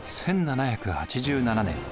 １７８７年